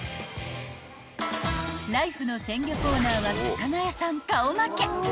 ［ライフの鮮魚コーナーは魚屋さん顔負け］